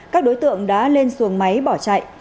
các đối tượng đã lên xuồng máy bỏ chạy